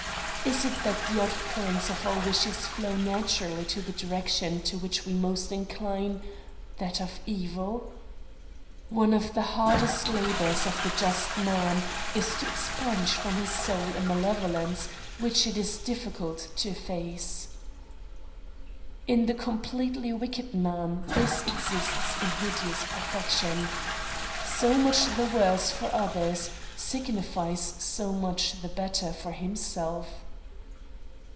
Is it that the outpourings of our wishes flow naturally to the direction to which we most incline that of evil? One of the hardest labours of the just man is to expunge from his soul a malevolence which it is difficult to efface. Almost all our desires, when examined, contain what we dare not avow. In the completely wicked man this exists in hideous perfection. So much the worse for others, signifies so much the better for himself.